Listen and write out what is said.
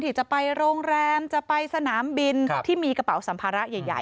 ที่จะไปโรงแรมจะไปสนามบินที่มีกระเป๋าสัมภาระใหญ่